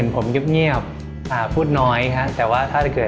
โอ้โฮชอบมากอย่างนี้